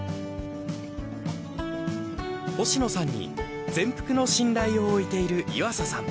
星野さんに全幅の信頼を置いている岩佐さん。